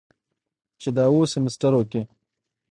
چې دا اووه سميسترو کې